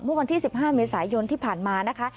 เมื่อวันที่๑๕เมษายนที่ผ่านมานะคะ